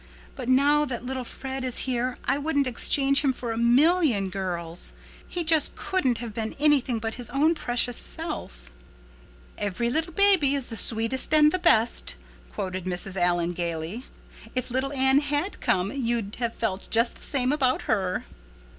"But now that little Fred is here I wouldn't exchange him for a million girls. He just couldn't have been anything but his own precious self." "'Every little baby is the sweetest and the best,'" quoted Mrs. Allan gaily. "If little Anne had come you'd have felt just the same about her."